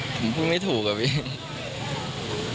ผมผมพึ่งได้ถูกครับอีก